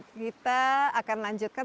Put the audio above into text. kita akan lanjutkan